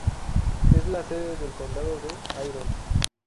Es la sede del condado de Iron.